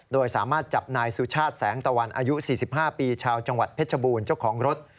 โดยสามารถจับนายสุชาติแสงตะวันอายุ๔๕ปีชาวจังหวัดเพชรบูรณ์เจ้าของรถ